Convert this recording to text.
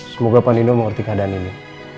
semoga pak nino mengerti keadaan ini